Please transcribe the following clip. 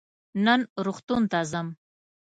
نن روغتون ته ځم.